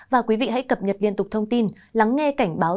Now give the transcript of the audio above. và quý vị hãy cập nhật liên tục thông tin lắng nghe cảnh báo